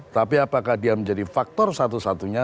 tapi apakah dia menjadi faktor satu satunya